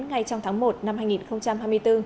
ngay trong tháng một năm hai nghìn hai mươi bốn